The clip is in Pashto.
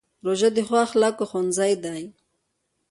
روژه د ښو اخلاقو ښوونځی دی.